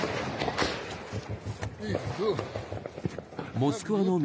モスクワの南